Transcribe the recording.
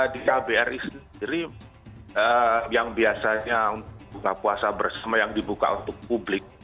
di kbri sendiri yang biasanya untuk buka puasa bersama yang dibuka untuk publik